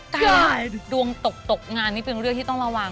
ดวงตกตกงานนี่เป็นเรื่องที่ต้องระวัง